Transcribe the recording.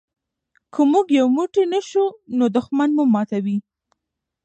که موږ یو موټی نه شو نو دښمن مو ماتوي.